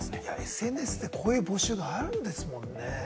ＳＮＳでこういう募集があるんですもんね。